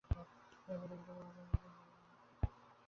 তিনি তিব্বতের বেশ কিছু প্রভাবশালী অভিজাত পরিবারের পৃষ্ঠপোষকতা লাভ করেন।